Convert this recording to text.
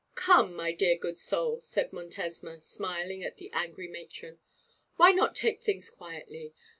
'Come, my dear good soul,' said Montesma, smiling at the angry matron, 'why not take things quietly?